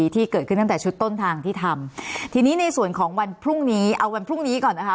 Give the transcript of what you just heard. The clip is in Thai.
ทีนี้ในส่วนของวันพรุ่งนี้เอาวันพรุ่งนี้ก่อนนะคะ